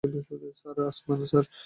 Sir, Asman, sir!